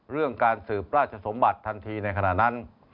เรื่องการสืบราชสมบัติทันทีในขณะนั้น